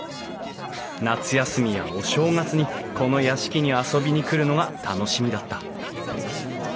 夏休みやお正月にこの屋敷に遊びに来るのが楽しみだった。